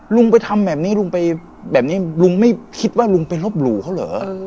ลูกไปทำแบบนี้ลูกไปแบบนี้ยังคิดว่าแบบนี้ลูกเป็นรอบหรูเค้าเหรอ